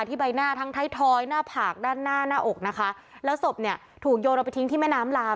ใบหน้าทั้งไทยทอยหน้าผากด้านหน้าหน้าอกนะคะแล้วศพเนี่ยถูกโยนเอาไปทิ้งที่แม่น้ำลาว